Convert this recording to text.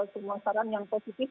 semua saran yang positif